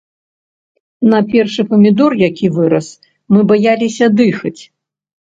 На першы памідор, які вырас, мы баяліся дыхаць.